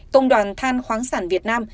công đoàn than khoáng sản việt nam